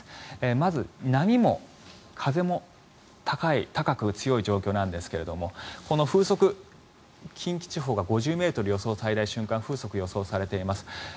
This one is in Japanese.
まず波も風も高く強い状況なんですが近畿地方は５０ｍの最大瞬間風速が予想されています。